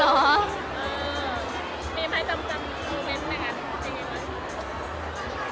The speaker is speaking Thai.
มีใครจำโมเมนท์แบบนั้น